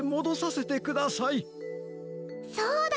そうだ。